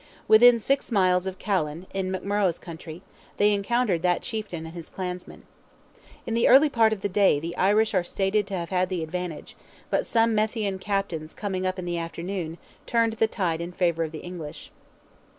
Within six miles of Callan, in "McMurrogh's country," they encountered that chieftain and his clansmen. In the early part of the day the Irish are stated to have had the advantage, but some Methian captains coming up in the afternoon turned the tide in favour of the English.